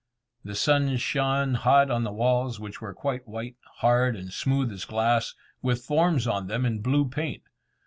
The sun shone hot on the walls, which were quite white, hard, and smooth as glass, with forms on them in blue paint.